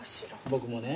僕もね